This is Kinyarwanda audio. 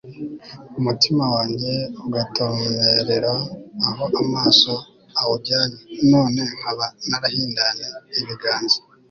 umutima wanjye ugatomerera aho amaso awujyanye, none nkaba narahindanye ibiganza